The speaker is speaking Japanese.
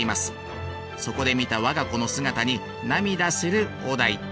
そこで見た我が子の姿に涙する於大。